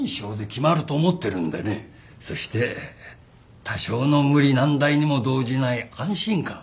そして多少の無理難題にも動じない安心感。